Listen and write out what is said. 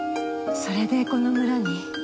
それでこの村に？